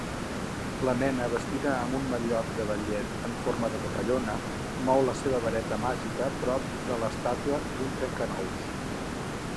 La nena vestida amb un mallot de ballet en forma de papallona mou la seva vareta màgica prop de la estàtua d'un trencanous